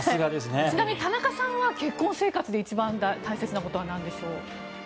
ちなみに田中さんは結婚生活で一番大切なことはなんでしょう？